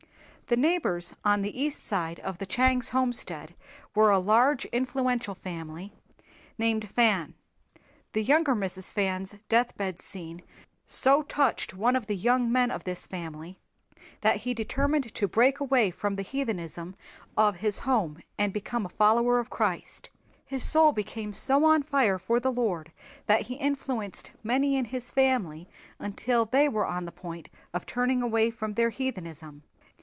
The neighbors on the east side of the Chang's homestead were a large influential family named Fan. The younger Mrs. Chang's death bed scene so touched one of the young men of this family that he determined to break away from the heathenism of his home and become a follower of Christ. His soul became so on fire for the Lord that he influenced many in his family until they were on the point of turning away from their heathenism.